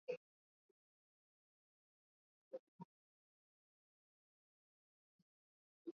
Tupa au zoa vijusi vilivyoharibika kwa njia salama